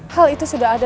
hal itu sudah ada